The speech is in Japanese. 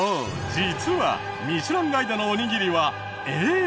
実は『ミシュランガイド』のおにぎりはＡ。